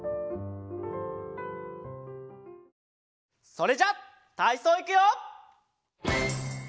それじゃたいそういくよ！